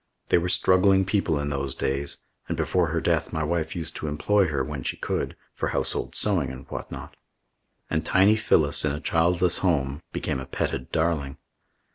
They were struggling people in those days, and before her death my wife used to employ her, when she could, for household sewing and whatnot. And tiny Phyllis, in a childless home, became a petted darling.